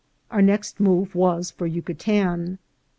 Our next move was for Yucatan.